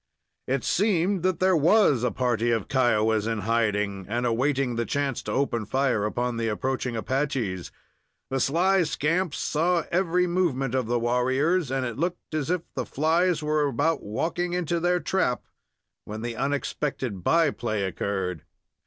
It seemed that there was a party of Kiowas in hiding, and awaiting the chance to open fire upon the approaching Apaches. The sly scamps saw every movement of the warriors, and it looked as if the flies were about walking into their trap when the unexpected by play occurred.